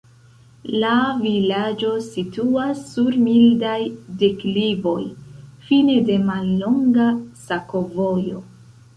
La vilaĝo situas sur mildaj deklivoj, fine de mallonga sakovojo.